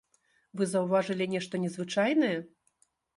Вы заўважылі нешта незвычайнае?